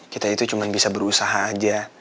kita itu cuma bisa berusaha aja